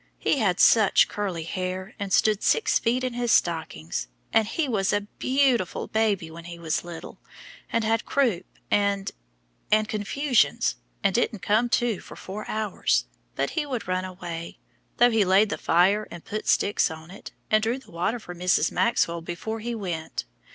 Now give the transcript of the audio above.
He had such curly hair, and stood six feet in his stockings, and he was a beautiful baby when he was little, and had croup and and confusions, and didn't come to for four hours; but he would run away, though he laid the fire and put sticks on it and drew the water for Mrs. Maxwell before he went.